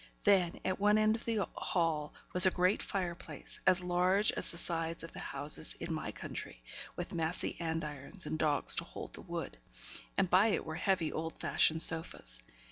Then, at one end of the hall, was a great fire place, as large as the sides of the houses in my country, with massy andirons and dogs to hold the wood; and by it were heavy, old fashioned sofas.